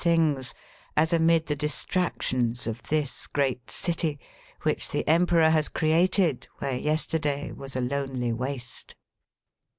things as amid the distractions of this great city which the Emperor has created where yesterday was a lonely waste."